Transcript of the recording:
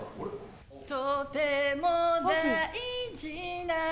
とても大事な